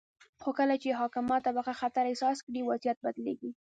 خو کله چې حاکمه طبقه خطر احساس کړي، وضعیت بدلیږي.